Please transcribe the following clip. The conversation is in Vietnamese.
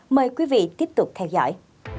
mời quý vị tiếp tục theo dõi